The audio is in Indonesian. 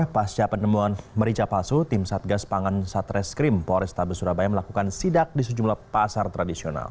pasca penemuan merica palsu tim satgas pangan satreskrim polrestabes surabaya melakukan sidak di sejumlah pasar tradisional